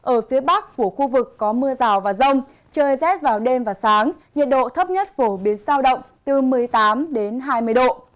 ở phía bắc của khu vực có mưa rào và rông trời rét vào đêm và sáng nhiệt độ thấp nhất phổ biến giao động từ một mươi tám đến hai mươi độ